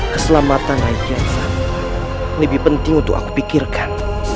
keselamatan haji yang sama lebih penting untuk aku pikirkan